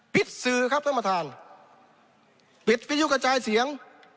สื่อครับท่านประธานปิดวิทยุกระจายเสียง